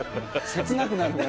切なくなるね。